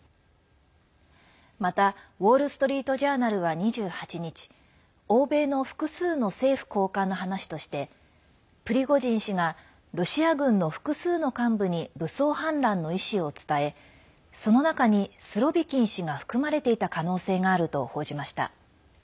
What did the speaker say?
また、ウォール・ストリート・ジャーナルは２８日欧米の複数の政府高官の話としてプリゴジン氏がロシア軍の複数の幹部に武装反乱の意志を伝えその中に、スロビキン氏が含まれていた可能性があると報じました。